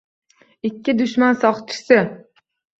Ikki dushman soqchisi